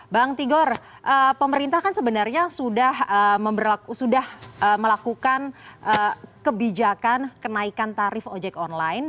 bang tigor pemerintah kan sebenarnya sudah melakukan kebijakan kenaikan tarif ojek online